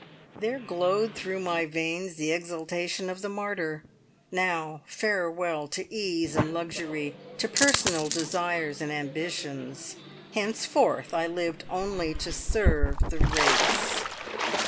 There glowed through my veins the exultation of the martyr. Now farewell to ease and luxury, to personal desires and ambitions. Henceforth I lived only to serve the race!